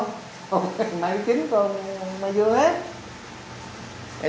ông mai đức chính còn mai dương hết